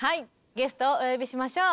ゲストをお呼びしましょう！